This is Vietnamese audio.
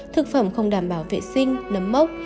thực phẩm không đảm bảo vệ sinh nấm mốc